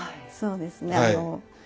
そうですね。